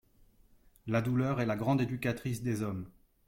La douleur est la grande éducatrice des hommes.